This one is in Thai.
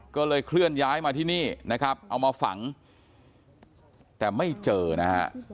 ก็เลยเคลื่อนย้ายมาที่นี่นะครับเอามาฝังแต่ไม่เจอนะฮะ